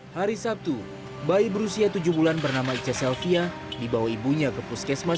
hari sabtu bayi berusia tujuh bulan bernama ica selvia dibawa ibunya ke puskesmas